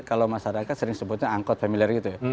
kalau masyarakat sering sebutnya angkot familiar gitu ya